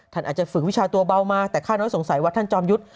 ท่านอาจจะฝึกวิชาตัวเบามาแต่ค่าน้อยสงสัยว่าท่านจอมยุทธ์